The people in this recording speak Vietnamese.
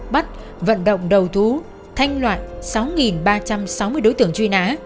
bắt vận động đầu thú thanh loại sáu ba trăm sáu mươi đối tượng truy nã